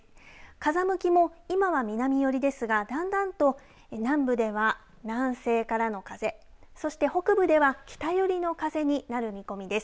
風向きも今は南寄りですがだんだんと南部では南西からの風そして北部では北寄りの風になる見込みです。